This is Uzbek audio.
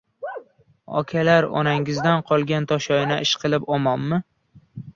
Okalar, onangizdan qolgan toshoyna omonmi ishqilib?